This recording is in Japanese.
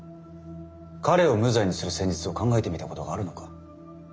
彼を無罪にする戦術を考えてみたことがあるのか？